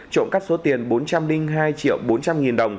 trộm cắt số tiền bốn trăm linh hai triệu bốn trăm linh nghìn đồng